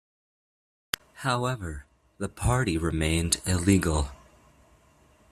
However, the party remained illegal.